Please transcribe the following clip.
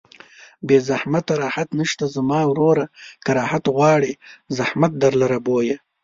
بې زحمته راحت نشته زما وروره که راحت غواړې زحمت در لره بویه